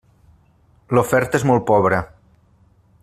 L'oferta és molt pobra.